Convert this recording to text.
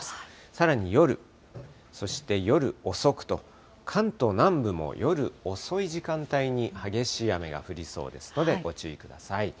さらに夜、そして夜遅くと、関東南部も夜遅い時間帯に激しい雨が降りそうですのでご注意ください。